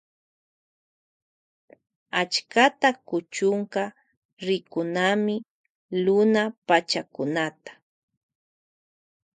Akchata kuchunka rikunami luna pachakunata.